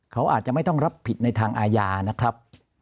เขาอาจจะไม่ต้องรับผิดในทางอาญานะครับ